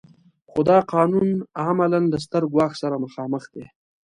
خو دا قانون عملاً له ستر ګواښ سره مخامخ دی.